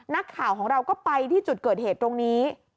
นักข่าวของเราก็ไปที่จุดเกิดเหตุตรงนี้